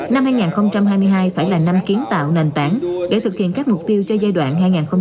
năm hai nghìn hai mươi hai phải là năm kiến tạo nền tảng để thực hiện các mục tiêu cho giai đoạn hai nghìn hai mươi một hai nghìn ba mươi